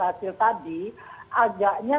hasil tadi agaknya